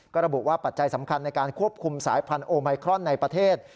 ก็ระบุว่าปัจจัยสำคัญในการควบคุมสายพันธุไมครอนในประเทศ